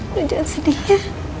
udah jangan sedih ya